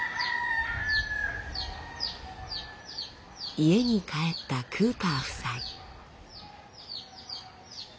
家に帰ったクーパー夫妻。